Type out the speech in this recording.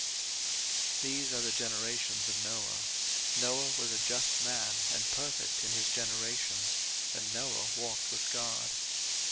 01:006:009 These are the generations of Noah: Noah was a just man and perfect in his generations, and Noah walked with God.